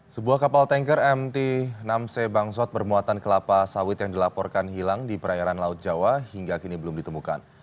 sebuah kapal tanker mt enam c bangsot bermuatan kelapa sawit yang dilaporkan hilang di perairan laut jawa hingga kini belum ditemukan